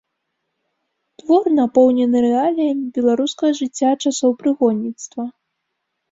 Твор напоўнены рэаліямі беларускага жыцця часоў прыгонніцтва.